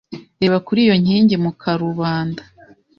Reba kuri iyo nkingi mu karubanda.